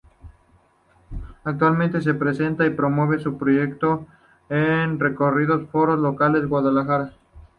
Actualmente se presentan y promueven su proyecto en reconocidos foros locales de Guadalajara.